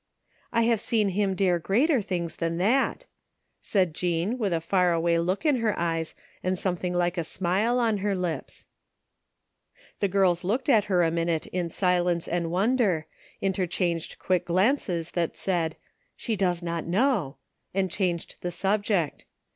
" I have seen him dare greater things than that," said Jean with a far away look in her ey?s and some thing like a smile on her lips. 198 THE FINDING OF JASPER HOLT The girls looked at her a minute in silence and wonder, interchanged quick glances that said :" She ^flpts not know," and changed the subject.